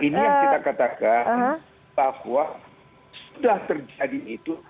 ini yang kita katakan bahwa sudah terjadi itu